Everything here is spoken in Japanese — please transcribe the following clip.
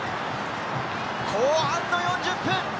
後半の４０分！